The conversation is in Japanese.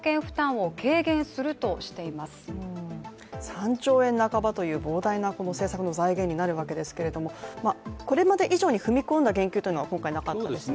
３兆円半ばという膨大な政策の財源になるわけですけどもこれまで以上に踏み込んだ言及というのは今回、なかったですね。